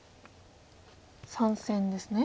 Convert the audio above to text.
３線ですね。